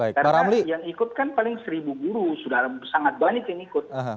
karena yang ikut kan paling seribu guru sudah sangat banyak yang ikut